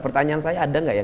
pertanyaan saya ada nggak ya